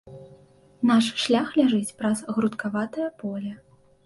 Наш шлях ляжыць праз грудкаватае поле.